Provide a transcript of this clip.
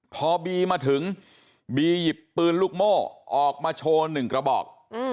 พอบีมาถึงบีหยิบปืนลูกโม่ออกมาโชว์๑กระบอก